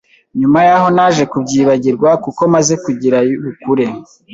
Nyuma yaho naje kubyibagirwa kuko maze kugira yubukure